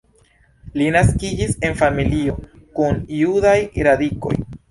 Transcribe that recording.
Li naskiĝis en familio kun judaj radikoj.